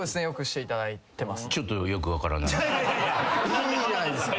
いいじゃないですか。